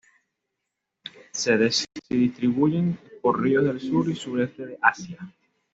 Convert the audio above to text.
Se distribuyen por ríos del sur y sureste de Asia.